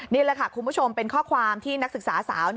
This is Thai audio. นี่แหละค่ะคุณผู้ชมเป็นข้อความที่นักศึกษาสาว